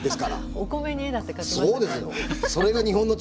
お米に絵だって描けますよね。